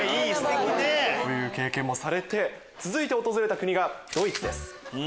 こういう経験もされて続いて訪れた国がドイツです。